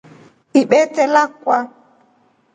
Ibite labwa.